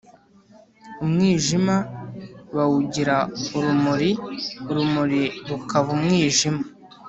Umwijima bawugira urumuri, urumuri rukaba umwijima,